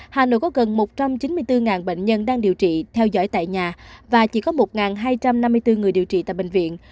hà nội có gần một trăm chín mươi bốn bệnh nhân đang điều trị theo dõi tại nhà và chỉ có một hai trăm năm mươi bốn người điều trị tại bệnh viện